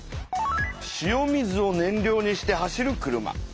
塩水をねん料にして走る車。